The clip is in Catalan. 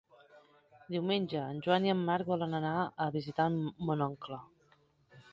Diumenge en Joan i en Marc volen anar a visitar mon oncle.